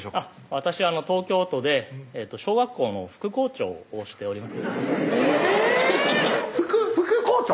私東京都で小学校の副校長をしております副校長？